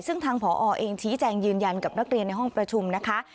ซึ่งทางผอเองชี้แจงยืนยันกับนักเรียนในห้องประชุมนะคะ